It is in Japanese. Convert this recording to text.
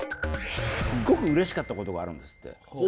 すごくうれしかったことがあるんですって最近。